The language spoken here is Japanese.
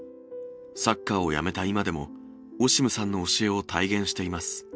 サッカーを辞めた今でも、オシムさんの教えを体現しています。